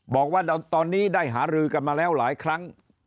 บอกว่าตอนนี้ได้หารือกันมาแล้วหลายครั้ง